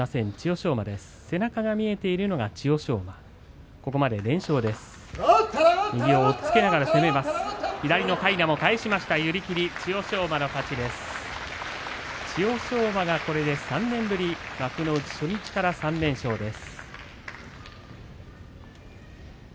千代翔馬、これで３年ぶり幕内初日から３連勝です。